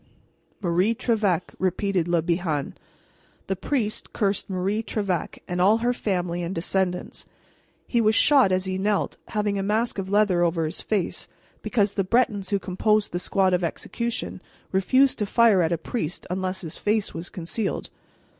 "Marie Trevec," repeated Le Bihan; "the priest cursed Marie Trevec, and all her family and descendants. He was shot as he knelt, having a mask of leather over his face, because the Bretons who composed the squad of execution refused to fire at a priest unless his face was concealed.